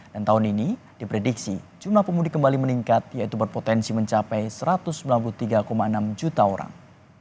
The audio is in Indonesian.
dan tahun ini diprediksi jumlah pemudik kembali meningkat yaitu berpotensi mencapai satu ratus sembilan puluh tiga enam juta orang